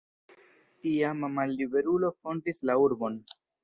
Iama malliberulo fondis la urbon.